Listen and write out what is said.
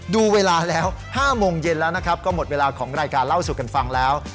ดูเวลาแล้ว๕โมงเย็นแล้วนะครับก็หมดเวลาของรายการเล่าสู่กันฟังแล้ว